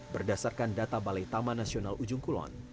berdasarkan data balai taman nasional ujung kulon